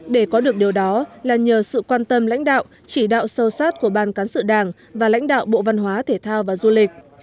để có được điều đó là nhờ sự quan tâm lãnh đạo chỉ đạo sâu sát của ban cán sự đảng và lãnh đạo bộ văn hóa thể thao và du lịch